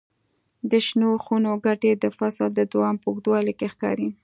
د شنو خونو ګټې د فصل د دوام په اوږدوالي کې ښکاري.